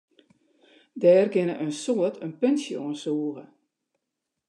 Dêr kinne in soad in puntsje oan sûge.